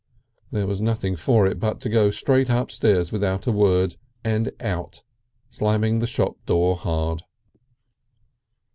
There was nothing for it but to go straight upstairs without a word, and out, slamming the shop door hard.